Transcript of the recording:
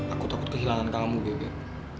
aku takut kehilangan kamu bebek